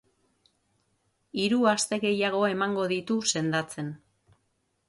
Hiru aste gehiago emango ditu sendatzen.